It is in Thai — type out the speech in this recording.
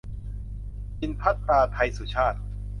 จิณภัทตา ไทยสุชาต